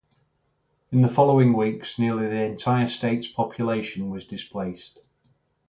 In the following weeks nearly the entire state's population was displaced.